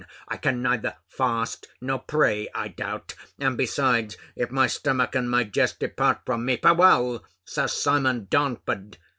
I can neither fast nor pray, I doubt. And besides, if my stomach and my jest depart from me, farewell, Sir Simon Darnford!